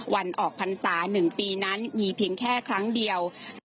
วันออกพรรษา๑ปีนั้นมีเพียงแค่ครั้งเดียว